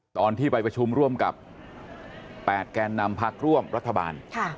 ตอนที่ไปประชุมร่วมกับ๘แกนนำพักร่วมรัฐบาล